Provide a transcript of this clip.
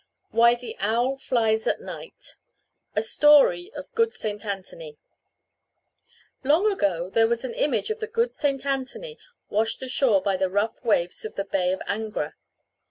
WHY THE OWL FLIES AT NIGHT A Story of Good St. Anthony Long ago there was an image of the good St. Anthony washed ashore by the rough waves of the Bay of Angra.